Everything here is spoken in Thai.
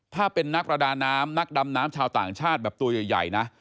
ถ้าเป็นนักประดาน้ำนักดำน้ำชาวต่างชาติแบบตัวใหญ่นะ